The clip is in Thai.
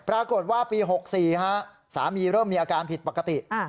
ปรากฏว่าปี๖๔สามีเริ่มมีอาการผิดปกติ